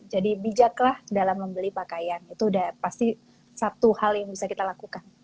jadi bijaklah dalam membeli pakaian itu udah pasti satu hal yang bisa kita lakukan